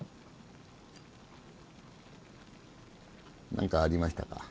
何かありましたか？